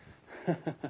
ハハハ。